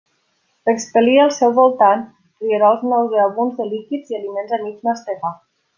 Expel·lia al seu voltant rierols nauseabunds de líquids i aliments a mig mastegar.